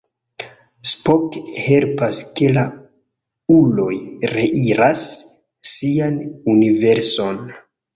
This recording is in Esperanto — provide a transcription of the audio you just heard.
Spock helpas ke la uloj reiras sian universon.